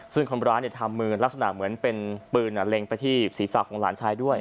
ซึ่งคนร้ายทำมือลักษณะเหมือนเป็นปืนเล็งไปที่ศีรษะของหลานชายด้วย